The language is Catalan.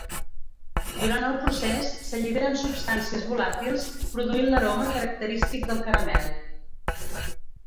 Durant el procés, s'alliberen substàncies volàtils, produint l'aroma característic del caramel.